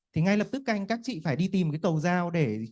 thì ngay lập tức các anh các chị phải đi tìm cái cầu giao để